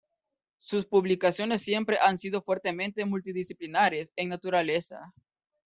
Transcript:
Sus publicaciones siempre han sido fuertemente multidisciplinares en naturaleza.